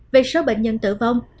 về số bệnh nhân tử vong